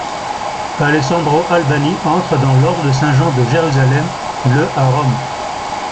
Alessandro Albani entre dans l'Ordre de Saint-Jean de Jérusalem, le à Rome.